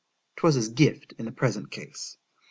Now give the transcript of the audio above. _ ——'Twas his gift in the present case.